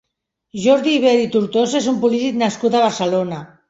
Jordi Ibern i Tortosa és un polític nascut a Barcelona.